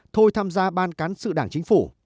thôi tham gia ban cán sự đảng chính phủ